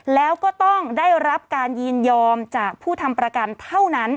แล้วก็ต้องได้รับการยินยอมจากผู้ทำประกันเท่านั้น